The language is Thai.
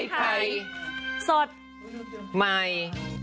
เมวใหม่